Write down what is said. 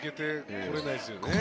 来れないですね。